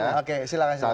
oke silahkan silahkan